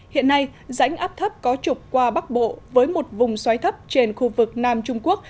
hiện nay rãnh áp thấp có trục qua bắc bộ với một vùng xoáy thấp trên khu vực nam trung quốc